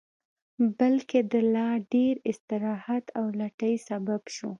بلکې د لا ډېر استراحت او لټۍ سبب شو